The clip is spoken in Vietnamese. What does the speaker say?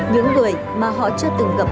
những người mà họ chưa từng gặp mặt